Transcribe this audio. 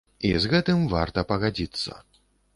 І з гэтым варта пагадзіцца.